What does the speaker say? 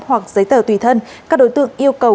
hoặc giấy tờ tùy thân các đối tượng yêu cầu